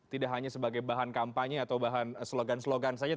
tidak hanya sebagai bahan kampanye atau bahan slogan slogan saja